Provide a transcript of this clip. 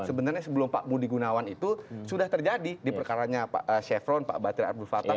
sebenarnya sebelum pak budi gunawan itu sudah terjadi di perkaranya pak syafron pak batria abdul fatah